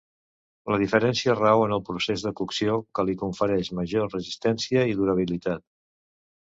La diferència rau en el procés de cocció, que li confereix major resistència i durabilitat.